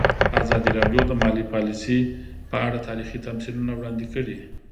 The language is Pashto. ازادي راډیو د مالي پالیسي په اړه تاریخي تمثیلونه وړاندې کړي.